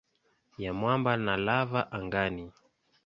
ya mwamba na lava angani.